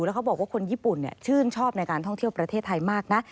แล้วเขาบอกว่าคนญี่ปุ่นชื่นชอบในการท่องเที่ยวประเทศไทยมากนะ